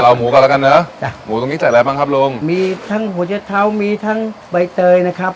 เอาหมูก่อนแล้วกันเนอะจ้ะหมูตรงนี้ใส่อะไรบ้างครับลุงมีทั้งหัวจะเท้ามีทั้งใบเตยนะครับ